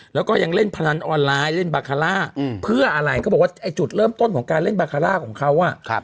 แล้วก็ยังเล่นพนันออนไลน์เล่นบาคาร่าเพื่ออะไรเขาบอกว่าไอ้จุดเริ่มต้นของการเล่นบาคาร่าของเขา